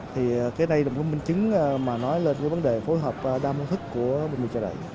thì cái này là một bình chứng mà nói lên cái vấn đề phối hợp đa mô thức của bệnh viện trợ đẩy